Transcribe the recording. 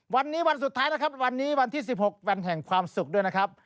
วันนี้วันสุดท้ายนะครับวันนี้วันที่๑๖วันแห่งความสุขด้วยนะครับ